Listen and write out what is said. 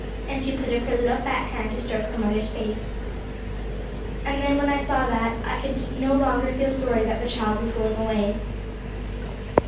and she put up her little fat hand to stroke her mother's face. And then, when I saw that, I could feel no longer sorry that the child was going away.